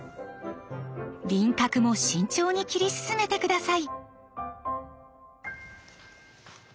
輪郭も慎重に切り進めて下さい。